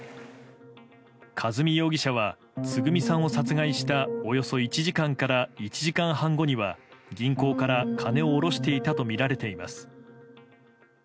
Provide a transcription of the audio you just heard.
和美容疑者はつぐみさんを殺害したおよそ１時間から１時間半後には銀行から金を下ろしていたとみられています。